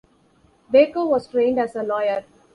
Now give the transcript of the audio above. Baker was trained as a lawyer.